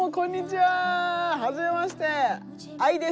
はじめまして。